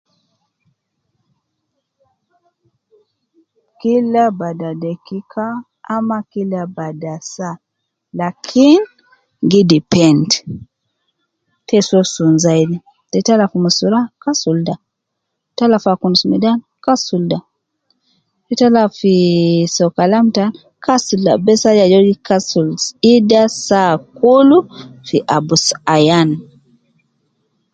Kila bada dekika ama kila bada saa, lakin gi depend, te soo sun zaidi, te tala fi mustura kasul ida, te tala fi akunus midan kasul ida, te tala fii soo kalam tan kasul ida bes aju ajol gi kasul ida saa kul fi abus ayan